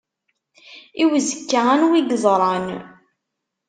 I uzekka anwa i yeẓran?